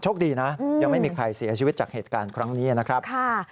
คดีนะยังไม่มีใครเสียชีวิตจากเหตุการณ์ครั้งนี้นะครับ